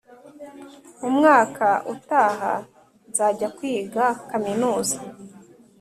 umwaka utaha nzajya kwiga kaminuza